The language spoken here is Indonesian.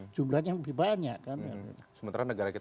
jumlahnya lebih banyak